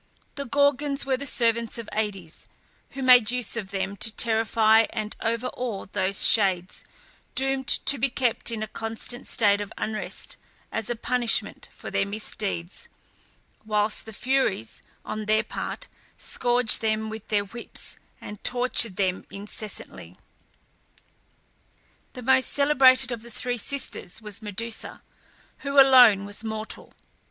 The Gorgons were the servants of Aïdes, who made use of them to terrify and overawe those shades, doomed to be kept in a constant state of unrest as a punishment for their misdeeds, whilst the Furies, on their part, scourged them with their whips and tortured them incessantly. The most celebrated of the three sisters was Medusa, who alone was mortal.